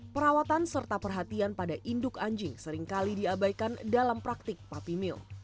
perawatan serta perhatian pada induk anjing seringkali diabaikan dalam praktik pupy mill